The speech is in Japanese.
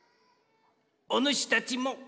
おぬしたちも！